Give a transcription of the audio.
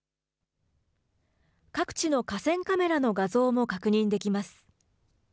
各地の河川カメラの画像も確認できます。